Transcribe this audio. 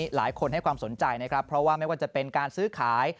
หลายคนให้ความสนใจนะครับเพราะว่าไม่ว่าจะเป็นการซื้อขาย